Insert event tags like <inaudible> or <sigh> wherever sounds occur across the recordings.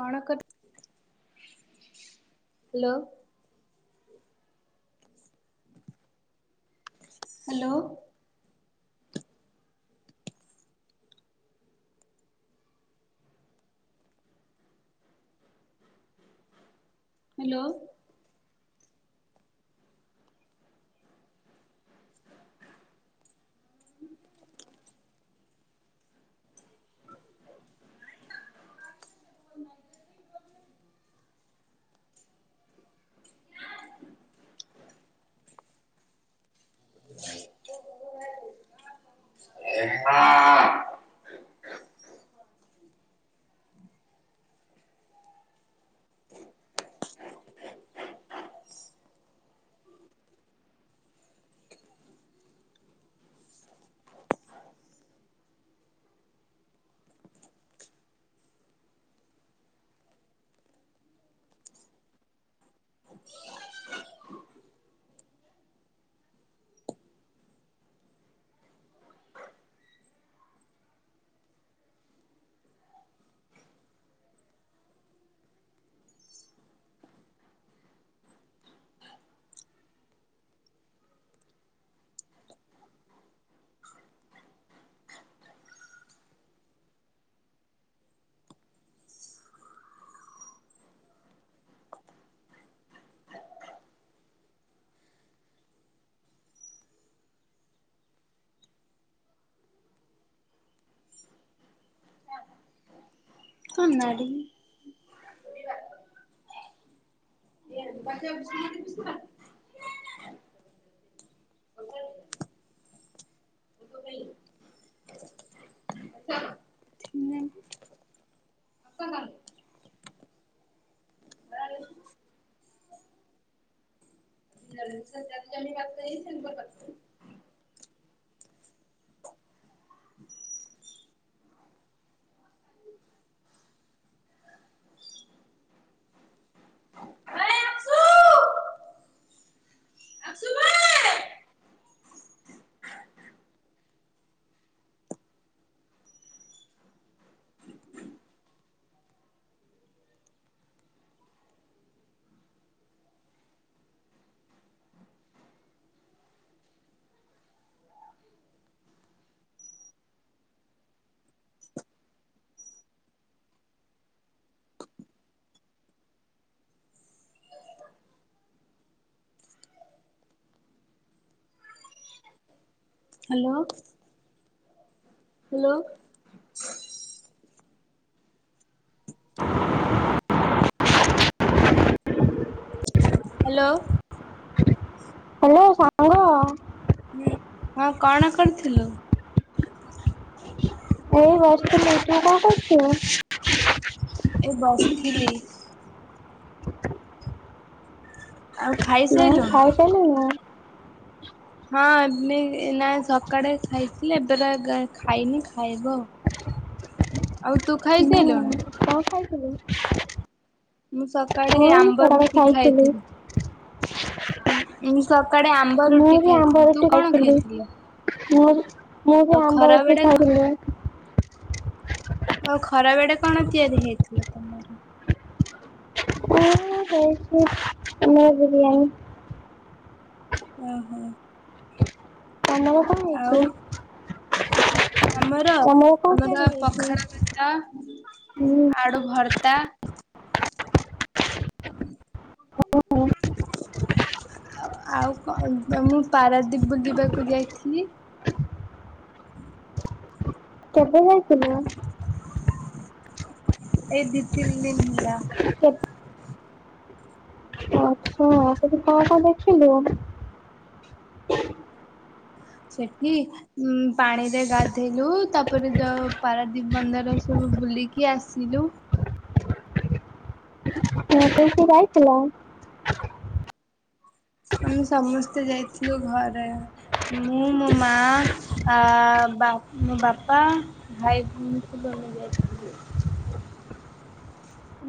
କଣ କର hello. Hello. Hello. <inaudible> କନାଡ଼ି। ବା ପୁସ୍ତକ ହ୍ୟାଲୋ ଆମେ ବା ହି ସଛ ହାଲୋ। ହାଲୋ। ହାଲୋ। ହାଲୋ ସ ହୁଁ ହଁ କଣ କରୁଥିଲୁ? ଏଇ ବସିଥିଲି ତୁ କଣ କରୁଛୁ? ଏ ବସିଥିଲି। ଆଉ <unintelligible> ଖାଇସାରିଲୁଣି? ଖାଇସାରିଲୁଣି ନା? ହଁ ଏବେ ଏ ନା ସକାଳେ ଖାଇଥିଲି ଏବେ ବା ଗା ଖାଇନି ଖାଇବ ହୁଁ ହ ହୁଁ କଁ ଖାଇଥିଲୁ? ମୁଁ ସକାଳେ ଆମ୍ବ ରୁଟି ଖାଇଥିଲି। ମୁଁ ମୁଁ ସକାଳେ ଆମ୍ବ ରୁଟି ଖାଇଥିଲି। ଆମ୍ବ ତୁ ରୁଟି କଣ ଖାଇଥିଲି ଖାଇଥିଲୁ? ମୁଁ ବି ମୁଁ ବି ଆଉ ଆମ୍ବ ଖରା ରୁଟି ବେଳେ ଖାଇଥିଲି। ଆଉ ଖରା ବେଳେ କଣ ତିଆରି ହେଇଥିଲା ତମର? ଏଇନା ହେଇଛି ମୋ ବିରିୟାନୀ। ଅ ହ। ତମର କଁ ଆଉ ହେଇଛି? ଆମର ତମର କଣ ଆମର ତିଆରି ହେଇଛି ପଖାଳ ଭାତ ହୁଁ ଆଳୁ ଭର୍ତା <inaudible> ଆଉ ଆଉ କଣ ତ ମୁଁ ପାରାଦ୍ୱୀପ ବୁଲିବାକୁ ଯାଇଥିଲି। କେବେ ଯାଇଥିଲୁ? ଏଇ ଦି ତିନି ଦିନ ହେଲା କେ ଆଚ୍ଛା ସେଠି କଁ କଁ ଦେଖିଲୁ? ସେଠି ଉଁ ପାଣିରେ ଗାଧେଇଲୁ ତାପରେ ଯୋଉ ପାରାଦ୍ଵୀପ ବନ୍ଦର ସବୁ ବୁଲିକି ଆସିଲୁ। <inaudible> କୁ ଯାଇଥିଲ? ଆମେ ସମସ୍ତେ ଯାଇଥିଲୁ ଘରେ। ମୁଁ ମୋ ମାଆ ଆ ବାପ୍ ମୋ ବାପା ଭାଇ ଭଉଣୀ ସବୁ ଆମେ ଯାଇଥିଲୁ।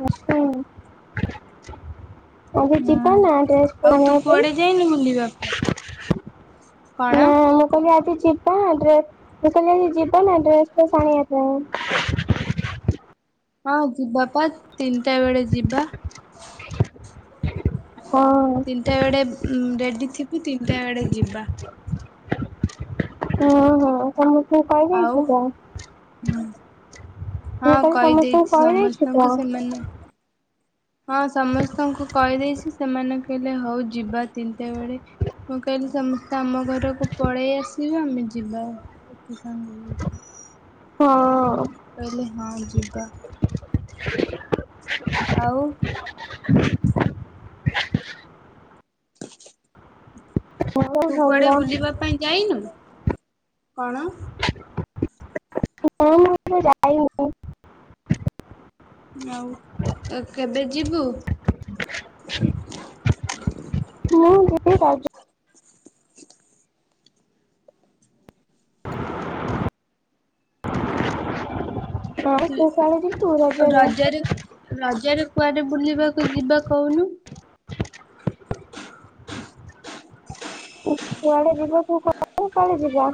ହୁଁ ନା ହାଁ, ଡ୍ରେସ୍ ଆଉ ତୁ ଆଣିବା ପାଇଁ କୁଆଡେ ଯେଇନି ବୁଲିବାକୁ? କଣ? ନା ମୁଁ କହିଲି ଆଜି ଯିବା ଡ୍ରେସ୍ ମୁ କହିଲି ଆଜି ଜିବାନା ଡ୍ରେସ୍ ଫ୍ରେସ୍ ଆଣି ପାଇଁ? ହଁ ଯିବା ଵା ତିନିଟା ବେଳେ ଯିବା। ହଁ ତିନିଟା ବେଳେ ଉମ ରେଡି ଥିବି, ତିନିଟା ବେଳେ ଯିବା। ହଁ ହଁ ତୁମକୁ କହି ଆଉ ଦେଇଛି ତା ମୁଁ ହୁଁ ହଁ କହିଲି, ସମସ୍ତଙ୍କୁ କହିଦେଇଛି କହି ଦେଇଛୁ ସମସ୍ତଙ୍କୁ ତ? ସେମାନେ ହଁ ସମସ୍ତଙ୍କୁ କହିଦେଇଛି, ସେମାନେ କହିଲେ ହଉ ଯିବା ତିନିଟା ବେଳେ। ମୁ କହିଲି ସମସ୍ତେ ଆମ ଘରକୁ ପଳେଇ ଆସିବ ଆମେ ଯିବା। ଟିଉସନ୍ ଯିବି <unintelligible> ହଁ କହିଲି ହଁ ଯିବା। ଆଉ <inaudible> ଭଲ ତୁ କୁଆଡେ ଭଲ ବୁଲିବା ପାଇଁ ଯାଇନୁ? କଣ? ତୁ କଉନୁ ମୁଁ ଯାଇନି <unintelligible> ଆଉ ତ କେବେ ଯିବୁ? <unintelligible> ଆଉ ଦୁଇ ତୁ କୁଆଡେ ଯିବୁ ରଜରେ ରଜରେ କୁଆଡେ ବୁଲିବାକୁ ଯିବା କହୁନୁ? କୁଆଡେ ଯିବା ତୁ କହୁନୁ, କୁଆଡେ ଯିବା?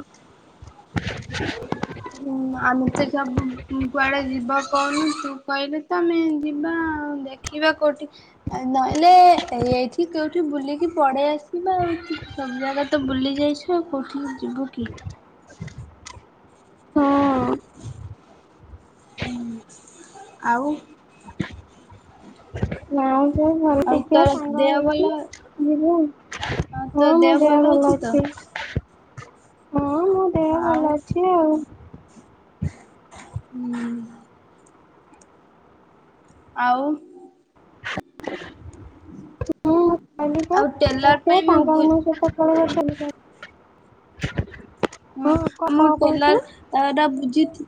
ଉମ ଆମେ ତ ସବୁ କୁଆଡେ ଯିବା କହୁନୁ ତୁ କହିଲେ ତ ଆମେ ଯିବା ଆଉ ଦେ ଦେଖିବା କୋଉଠି, ଆ ନହେଲେ ଏଇଠି କୋଉଠି ବୁଲିକି ପଳେଇ ଆସିବା ଆଉ ଏତି ସବ ଜାଗା ତ ବୁଲି ଯାଇଛୁ ତୁ କହ ଯିବୁକି? ହଁ ହୁଁ, ଆଉ? ନାଇଁ କି ଭଲ ଆଉ ଦେଖିବା ତୋର ସାଙ୍ଗ ଦେହ ଭଲ ହେଇକି ଯିବୁ। ହଁ ମୋ ଦେହ ଭଲ ଅଛି। ହଁ ମୋ ଦେହ ଭଲ ଅଛି ଆଉ। ହୁଁ ଆଉ ଆଉ ଆମେ ଟେଲର ଯିବୁ ପାଇଁ ସାଙ୍ଗ ମୁଁ ମାନଙ୍କ ସହିତ <unintelligible> ହଁ କ କଣ କହିଥିଲେ? ତ ଏଟା ବୁଝି ଥି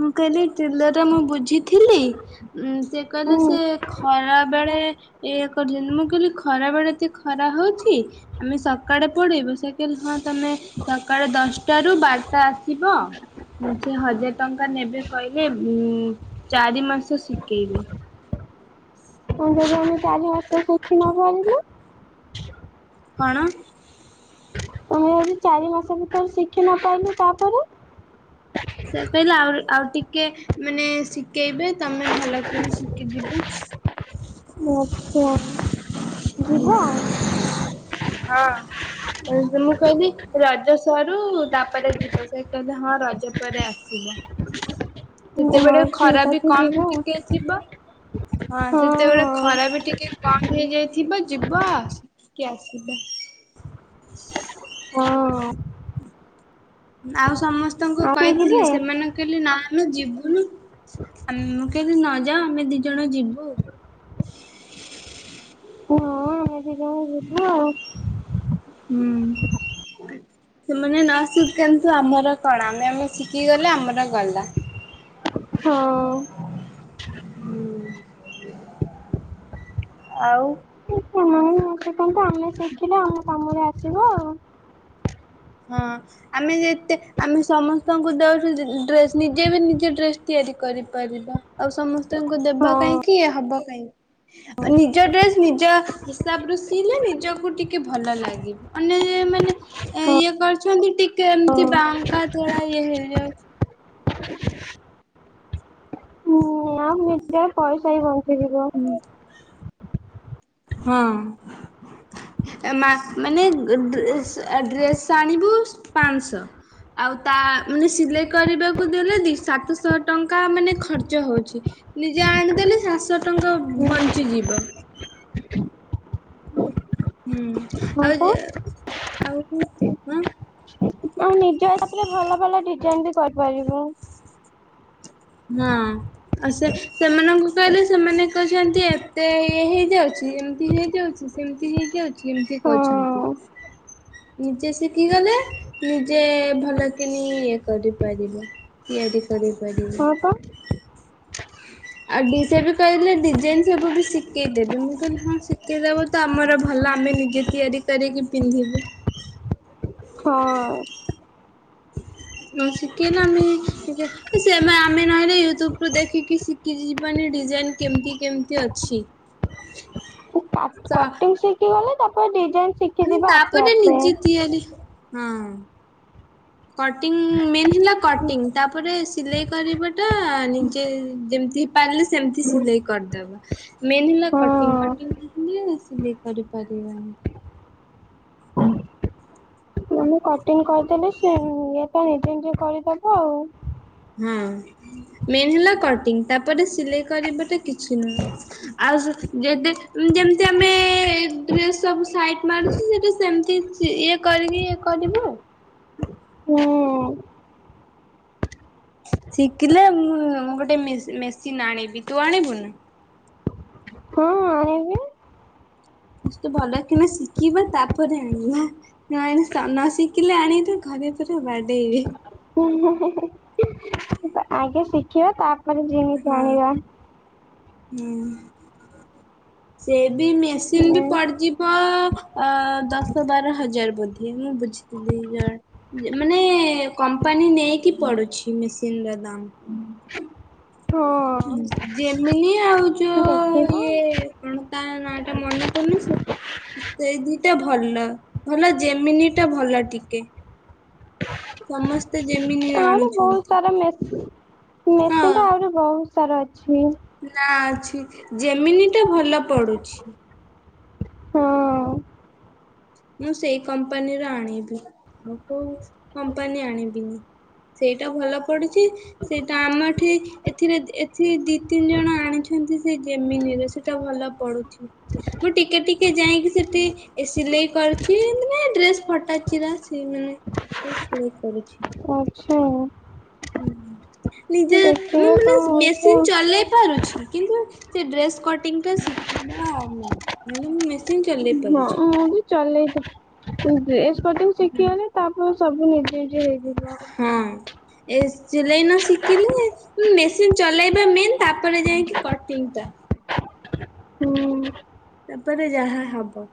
ମୁଁ କହିଲି <inaudible> ଟା ମୁଁ ବୁଝିଥିଲି ଉଁ ସେ କହିଲେ ହୁଁ ସେ ଖ ଖରା ବେଳେ ଇଏ କରିଲେନି, ମୁଁ କହିଲି ଖରା ବେଳେ ଏତେ ଖରା ହଉଛି। ଆମେ ସକାଳେ ପଳେଇବୁ ସେ କହିଲେ ହଁ ତମେ ସକାଳ ଦଶଟା ରୁ ବାରଟା ଆସିବ ଉଁ ଯେ ହଜାର ଟଙ୍କା ନେବେ କହିଲେ ଉଁ ଚାରି ମାସ ଶିଖେଇବେ, ହଁ ଯଦି ଆମେ ଚାରି ମାସରେ ସିଖି ନପାରିଲେ? କଣ? ଅହ ଯଦି ଚାରି ମାସ ଭିତରେ ଶିଖି ନପାରିଲେ ତା ପରେ? ସେ କହିଲେ ଆଉରି ଆଉ ଟିକେ ମାନେ ଶିଖେଇବେ ତମେ ଭଲକି ଶିଖିଯିବୁ। ଆଚ୍ଛା, ଜିବା। ହାଁ, <inaudible> ମୁଁ କହିଲି, ରଜ ସରୁ ତାପରେ ଯିବ, ସେ କହିଲେ ହଁ ରଜ ପରେ ଆସିବ। ସେତେବେଳେ ହଁ ଖରା ଠିକ ବି ଅଛି କମ୍ ଯିବା ହଁ ଟିକିଏ ଥିବ। ହଁ ସେତେବେଳେ ଖରା ବି ଟିକେ କମ ବି ହେଇଯାଇ ଯିବା, ଯିବା <unintelligible> କି ଆସିବା। ହଁ। ଆଉ ସମସ୍ତଙ୍କୁ ଆଉ କିଏ ଯିବେ? କହିଥିଲି ସେମାନ କହିଲେ ନା ଆମେ ଯିବୁନୁ। ଆମ୍ ମୁଁ କହିଲି ନ ଯାଅ ଆମେ ଦି ଜଣ ଯିବୁ। ହଁ ଆମେ ଦିଜଣ ଯିବୁ ଆଉ। ହୁଁ। ସେମାନେ ନ ଶିକନ୍ତୁ। ଆମର କଣ, ଆମେ ଆମେ ଶିକି ଗଲେ ଆମର ଗଲା। ହଁ। ଆଉ ହଁ ନହେଲେ <unintelligible> ଶିଖନ୍ତୁ ଆମେ ଶିଖିଲେ ଆମ କାମରେ ଆସିବ ଆଉ। ହଁ। ଆମେ ଯେତେ ଆମେ ସମସ୍ତଙ୍କୁ ଦଉଛୁ ଡ୍ରେସ୍। ନିଜେ ବି ନିଜେ ଡ୍ରେସ୍ ତିଆରି କରିପାରିବା। ଆଉ ସମସ୍ତଙ୍କୁ ଦେବା ହଁ କାହିଁକି ଇଏ ହବ କାଇଁ, ଆ, ନିଜ ଡ୍ରେସ୍ ନିଜ ହିସାବ ରୁ ସିଇଲେ ନିଜକୁ ଟିକେ ଭଲ ଲାଗିବ। ଅନ୍ୟ ଯେ ମାନେ ଏ ହଁ ଇଏ କରଛନ୍ତି ଟିକେ ଏମିତି ହଁ। ବାଙ୍କା ତେଢା ହେଇଯାଇଛି ଯେ ଯୋଉ। ନା ନିଜେ ପଇସା ହିଁ ବଞ୍ଚିଯିବ। ହଁ। ଏ ମା- ମାନେ ଅ, ଡ୍ରେସେ ଏ ଡ୍ରେସ୍ ଆଣିବୁ ପାନ୍ସ। ଆଉ ତା ମାନେ ସିଲେଇ କରିବାକୁ ଦେଲେ ଦି-ସାତଶହ ଟଙ୍କା ମାନେ ଖର୍ଚ୍ଚ ହଉଛି। ନିଜେ ଆଣିଦେଲେ ସାତଶହ ଟଙ୍କା ହୁଁ ବଞ୍ଚିଯିବ। ହୁଁ, ହଁ ଆଉ ଯେ, ଆଉ କୁ <inaudible> ହୁଁ, ପା ଆଉ ନିଜ ଇଏ କାଟିଲେ ଭଲ ଭଲ ଡିଜାଇନ୍ ବି କରିପାରିବୋ। ନା। ଆଉ ସେ ସେମାନଙ୍କୁ କହିଲେ ସେମାନେ କହିଛନ୍ତି ଏତେ ଇଏ ହେଇଯାଉଛି। ଏମତି ହେଇଯାଉଛି। ସେମତି ହେଇଯାଉଛି ଏମତି ହଁ କହୁଛନ୍ତି ‌। ନିଜେ ଶିକିଗଲେ ନିଜେ ଭଲ କିିନି ଇଏ କରିପାରିବ। ତିଆରି କରିପାରିବ। ହଁ ପା। ଆଉ ଡିଜାଇନ୍ ବି କହିଲେ ଡିଜାଇନ୍ ସବୁ ବି ଶିକେଇଦେବେ। ମୁଁ କହିଲି ହଁ ଶିକେଇଦବ। ତ ଆମର ଭଲ ଆମେ ନିଜେ ତିଆରି କରିକି ପିନ୍ଧିବୁ। ହଁ। ନ ଶିକେଇଲେ ଆମେ ନିଜ ସେମା ଆମେ ନହେଲେ ୟୁଟ୍ୟୁବ ରୁ ଦେଖିକି ଶିକି ଯିବାନି ଡିଜାଇନ୍ କେମିତି କେମିତି ଅଛି। <inaudible> କଟିଂ ଶିଖି ଗଲେ ତାପରେ ଡିଜାଇନ୍ ତାପରେ ନିଜେ ତିଆରି, ହଁ କଟିଂ ମେନ୍ ହେଲା କଟିଂ ତାପରେ ସିଲେଇ କରିବାଟା ନିଜେ ଯେମିତି ପାରିଲେ ସେମିତି ସିଲେଇ କରିଦବା। ମେନ୍ ହେଲା ହଁ କଟିଙ୍ଗ ନ ଶିଖିଲେ ସିଲେଇ କରିପାରିବାନି। ତୋମେ କଟିିଙ୍ଗ କରିଦେଲେ ସିଏ ଉଁ, ଇଏ ତ ନିଜେ ନିଜେ କରିଦବ ଆଉ। ହଁ ମେନ୍ ହେଲା କଟିଂ ତାପରେ ସିଲେଇ କରିବାଟା କିଛି ନୁହଁ। ଆଉ ଯେ ଯେଡେ ଉଁ, ଯେମିତି ଆମେ ଡ୍ରେସ୍ ସବୁ ସାଇଟ ମାରୁଛୁ ସେଟା ସେମତି। ସି ଇଏ କରିବି, ଇଏ କରିବୁ। ହୁଁ ଶିଖିଲେ ମୁଁ ମୁଁ ଗୋଟେ ମେସିନ୍ ଆଣିବି ତୁ ଆଣିବୁ ନା? ହଁ ଆଣିବି। ଭଲ କିନା ଶିଖିବା ତାପରେ ଆଣିବା। ଆଣ ନ ଶିଖିଲେ ଆଣିବେ ଘରେ ପୁରା ବାଡେଇବେ। <unintelligible> ଆଗେ ଶିଖିବା ତାପରେ ଜିନିଷ ଆଣିବା। ହୁଁ। ସେ ବି ମେସିନ ବି ପଡିଯିବ ଅ ଦଶ ବାର ହଜାର ବୋଧେ ମୁଁ ବୁଝି <inaudible> ମାନେ କମ୍ପାନୀ ନେଇକି ପଡୁଛି ମେସିନ ର ଦାମ। ହଁ। ଯେମିିନି ଆଉ ଯୋଉ <inaudible> ସିଏ କଣ ତା ନାଁ ଟା ମନେ ପଡ଼ୁନି ସେ ସେଇ ଦିଟା ଭଲ ଭଲ ଯେମିନିଟା ଭଲ ଟିକେ। ସମସ୍ତେ ଯେମିିନି ଆଣୁଛ ହୋଉ ତାର ମେସି ମେସିନ ଟା ହଁ। ଆହୁରି ବହୁତ ସାରା ଅଛି। ନା ଅଛି ଯେମିନିଟା ତ ଭଲ ପଡୁଛି। ହଁ। ମୁଁ ସେଇ କମ୍ପାନୀର ଆଣିବି ଆଉ କୋଉ କମ୍ପାନୀ ଆଣିବିନି। ସେଇଟା ଭଲ ପଡୁଛି ସେଇଟା ଆମ ଏଠି ଏଥିରେ ଏଥି ଦି ତିନି ଜଣ ଆଣିଛନ୍ତି ସେ ଯେମିନିରେ ସେଟା ଭଲ ପଡୁଛି। ମୁଁ ଟିକେ ଟିକେ ଯାଇଁ କି ସେଠି ସିଲେଇ କରୁଛି ମାନେ ଡ୍ରେସ ଫଟା ଚିରା ସ ମାନେ ସିଲେଇ କରୁଛି। ଆଛା। ହଁ ନିଜେ ମୁଁ ଦେଖିବା ମାନେ କଣ ହଉଛି ମେସିନ ଆଉ। ଚଲେଇ ପାରୁଛି। କିନ୍ତୁ ସେ ଡ୍ରେସ୍ କଟିଂ ଟା ଶିଖିବା ଆଉ ମାନେ ହଁ ମୁଁ ବି ଚଲେଇଛିି ତୁ ଡ୍ରେସ୍ କଟିଙ୍ଗ ହୁଁ। ଶିଖିଗଲେ ତାପରେ ସବୁ ନିଜେ ନିଜେ ହେଇଯିବ। ହଁ ଏ ସିଲେଇ ନ ଶିଖିଲେ ମେସିନ ଚଲେଇବା ମେନ୍ ତାପରେ ଯାଇକି କଟିଙ୍ଗଟା। ହୁଁ। ତାପରେ ଯାହା ହବ।